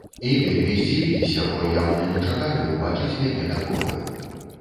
І вельмі здзівіліся, бо яўна не чакалі ўбачыць мяне такога.